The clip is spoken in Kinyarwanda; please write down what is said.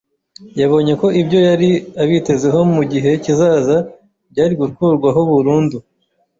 Yabonye ko ibyo yari abitezeho mu gihe kizaza byari gukurwaho burundu.